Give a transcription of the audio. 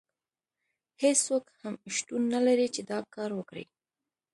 هیڅوک هم شتون نه لري چې دا کار وکړي.